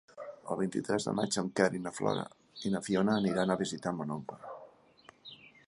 El vint-i-tres de maig en Quer i na Fiona aniran a visitar mon oncle.